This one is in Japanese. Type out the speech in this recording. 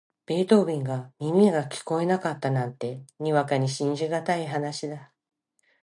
ベートーヴェンが耳が聞こえなかったなんて、にわかには信じがたい話だ。